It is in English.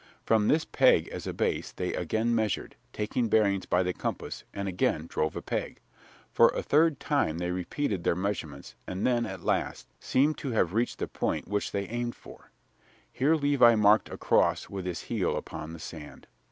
From this peg as a base they again measured, taking bearings by the compass, and again drove a peg. For a third time they repeated their measurements and then, at last, seemed to have reached the point which they aimed for. Here Levi marked a cross with his heel upon the sand.